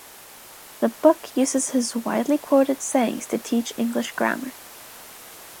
The book uses his widely quoted sayings to teach English grammar.